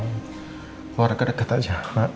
keluar ke deket aja